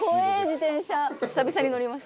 自転車。